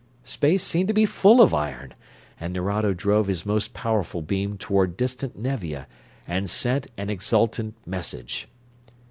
Space seemed to be full of iron, and Nerado drove his most powerful beam toward distant Nevia and sent an exultant message.